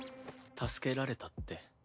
「助けられた」って？